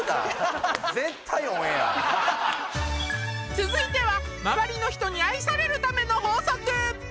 続いては周りの人に愛されるための法則